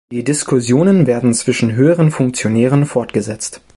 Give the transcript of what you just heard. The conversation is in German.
Die Diskussionen werden zwischen höheren Funktionären fortgesetzt.